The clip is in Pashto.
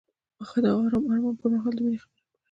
هغه د آرام آرمان پر مهال د مینې خبرې وکړې.